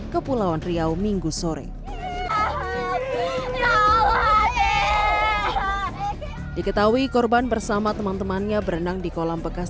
kepulauan riau minggu sore diketahui korban bersama teman temannya berenang di kolam bekas